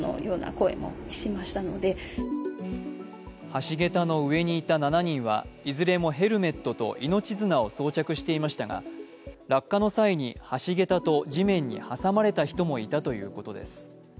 橋桁の上にいた７人はいずれもヘルメットと命綱を装着していましたが落下の際に橋桁と地面に挟まれた人もいたということです。